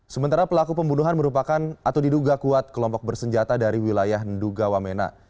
sementara pelaku pembunuhan merupakan atau diduga kuat kelompok bersenjata dari wilayah nduga wamena